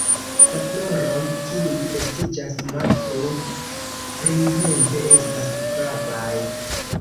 La floroj, kiuj estiĝas malfru-printempe, estas flavaj.